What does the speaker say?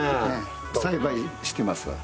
栽培してます。